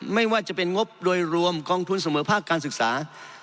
ไม่ว่าจะเป็นงบโดยรวมกองทุนเสมอภาคการศึกษา